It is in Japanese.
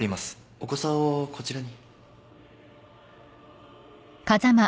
お子さんをこちらに。